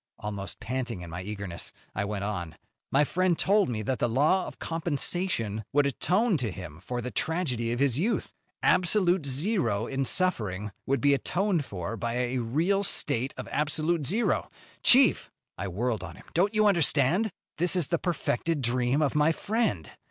Almost panting in my eagerness I went on: "My friend told me that the law of compensation would atone to him for the tragedy of his youth. Absolute zero in suffering would be atoned for by a real state of absolute zero. Chief!" I whirled on him. "Don't you understand? This is the perfected dream of my friend.